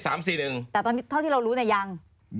แต่ตอนที่เรารู้เนี่ยยัง